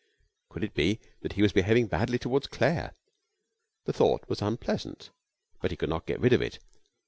Could it be that he was behaving badly toward Claire? The thought was unpleasant, but he could not get rid of it.